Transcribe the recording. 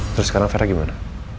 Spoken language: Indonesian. terus sekarang vera gimana